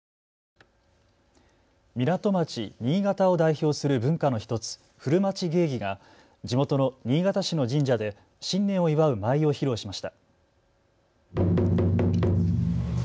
港町、新潟を代表する文化の１つ、古町芸妓が地元の新潟市の神社で新年を祝う舞を披露しました。